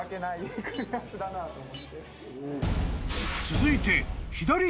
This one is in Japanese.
［続いて］